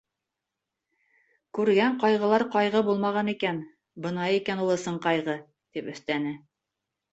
— Күргән ҡайғылар ҡайғы булмаған икән, бына икән ул ысын ҡайғы, — тип өҫтәне.